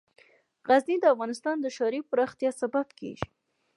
غزني د افغانستان د ښاري پراختیا سبب کېږي.